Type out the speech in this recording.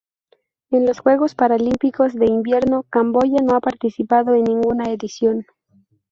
En los Juegos Paralímpicos de Invierno Camboya no ha participado en ninguna edición.